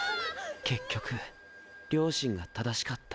結局両親が正しかった。